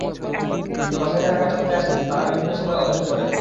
কিন্তু বাসায় যাঁরা কাজ করতে আসেন, তাঁরা বিভিন্ন সময় অভিযোগ করেন।